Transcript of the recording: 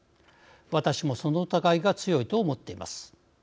私もその疑いが強いと思っています。